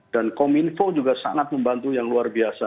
dan kominfo juga sangat membantu yang luar biasa